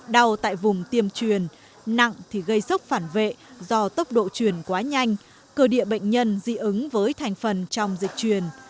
đau tại vùng tiêm truyền nặng thì gây sốc phản vệ do tốc độ truyền quá nhanh cơ địa bệnh nhân dị ứng với thành phần trong dịch truyền